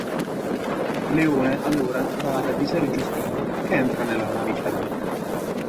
Leone allora va ad avvisare Giustino, che entra nella navicella.